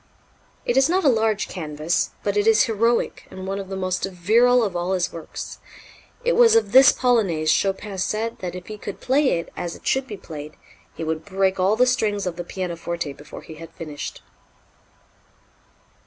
It is not a large canvas, but it is heroic and one of the most virile of all his works. It was of this polonaise Chopin said that if he could play it as it should be played, he would break all the strings of the pianoforte before he had finished.